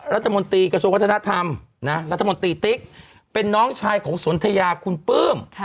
รัฐมนตรีกระทรวงวัฒนธรรมรัฐมนตรีติ๊กเป็นน้องชายของสนทยาคุณปลื้ม